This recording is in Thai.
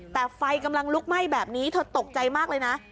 แต่ไฟกำลังลุกไหม้แบบนี้เธอตกใจมากเลยนะ